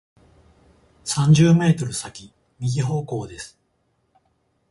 三十メートル先、右方向です。